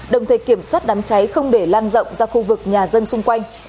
đồng thời kiểm soát đám cháy không để lan rộng ra khu vực nhà dân xung quanh